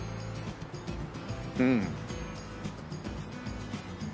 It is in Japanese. うん。